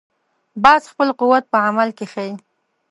باز خپل قوت په عمل کې ښيي